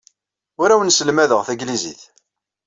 Ur awen-sselmadeɣ tanglizit.